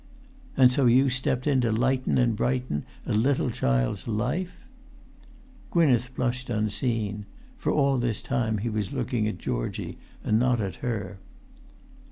"And so you stepped in to lighten and brighten a little child's life!" Gwynneth blushed unseen; for all this time he was looking at Georgie and not at her.